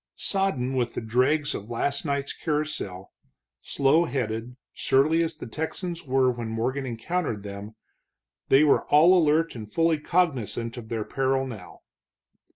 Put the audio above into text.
Sodden with the dregs of last night's carousel, slow headed, surly as the Texans were when Morgan encountered them, they were all alert and fully cognizant of their peril now.